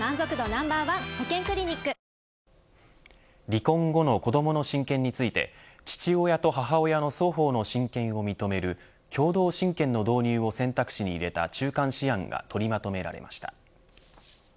離婚後の子どもの親権について父親と母親の双方の親権を認める共同親権の導入を選択肢に入れた中間試案が取りまとめられました。